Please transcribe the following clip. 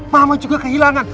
mama juga kehilangan